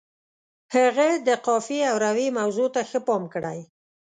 هغه د قافیې او روي موضوع ته ښه پام کړی.